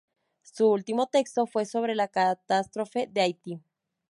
Su último texto fue sobre la catástrofe de Haití.